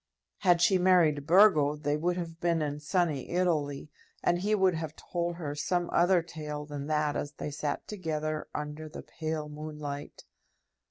Had she married Burgo they would have been in sunny Italy, and he would have told her some other tale than that as they sat together under the pale moonlight.